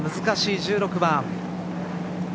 難しい１６番。